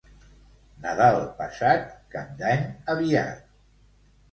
Nadal passat, Cap d'Any aviat.